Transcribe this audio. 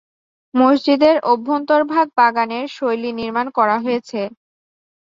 মসজিদের অভ্যন্তরভাগ বাগানের শৈলী নির্মাণ করা হয়েছে।